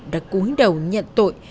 đã cuối đầu nhận tội